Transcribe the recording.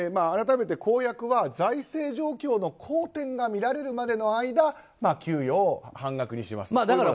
改めて公約は財政状況の好転が見られるまでの間給与を半額にしますという。